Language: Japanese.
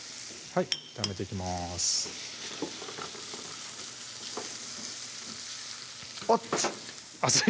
はい炒めていきますアッチ！